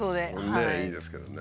ねえいいですけどね。